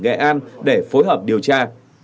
nghệ an để phối hợp điều tra